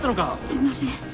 すいません。